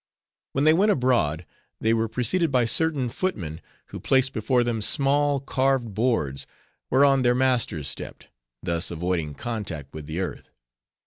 When they went abroad, they were preceded by certain footmen; who placed before them small, carved boards, whereon their masters stepped; thus avoiding contact with the earth.